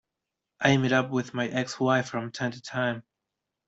I meet up with my ex-wife from time to time.